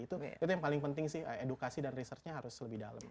itu yang paling penting sih edukasi dan researchnya harus lebih dalam